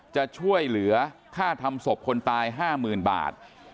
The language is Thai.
จะช่วยเหลือค่าทำศพคนตาย๕๐๐๐บาท